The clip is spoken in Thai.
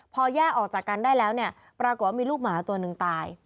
พอแยกออกจากกันได้แล้วเนี่ยปรากฏว่ามีลูกหมาตัวหนึ่งตาย